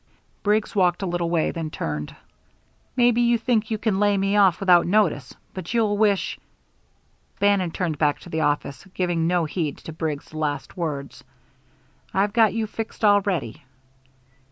Briggs walked a little way, then turned. "Maybe you think you can lay me off without notice but you'll wish " Bannon turned back to the office, giving no heed to Briggs' last words: "I've got you fixed already."